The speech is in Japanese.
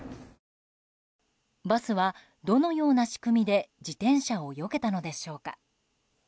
バスはどのような仕組みで自転車をよけたのでしょうか。